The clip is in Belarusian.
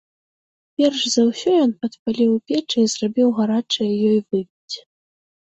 Перш за ўсё ён падпаліў у печы і зрабіў гарачае ёй выпіць.